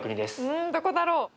うんどこだろう？